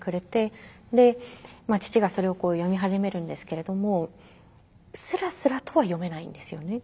で父がそれを読み始めるんですけれどもすらすらとは読めないんですよね。